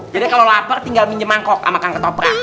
jadi kalo lapar tinggal minjem mangkok sama kanker toprak